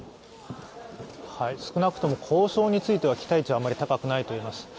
少なくとも構想については期待値はあまり高くないと思います。